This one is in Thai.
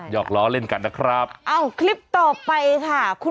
ใช่ค่ะ